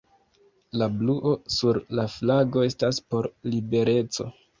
La bluo sur la flago estas por libereco.